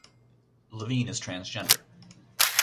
Levine is transgender.